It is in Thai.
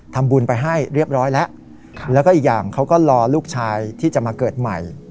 ทำบุญไปให้เรียบร้อยแล้วแล้วก็อีกอย่างเขาก็รอลูกชายที่จะมาเกิดใหม่